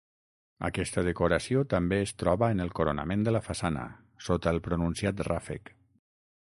Aquesta decoració també es troba en el coronament de la façana, sota el pronunciat ràfec.